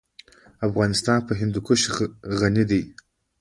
افغانستان په هندوکش غني دی.